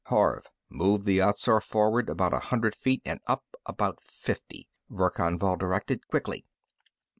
"Horv; move Yat Zar forward about a hundred feet and up about fifty," Verkan Vall directed. "Quickly!"